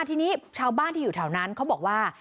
ทีนี้ชาวบ้านที่อยู่แถวนั้นเขาบอกว่า